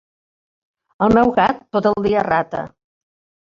El meu gat tot el dia rata.